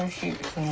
うん。